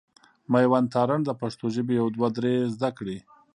مېوند تارڼ د پښتو ژبي يو دوه درې زده کړي.